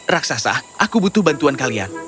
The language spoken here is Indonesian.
raksasa aku butuh bantuan kalian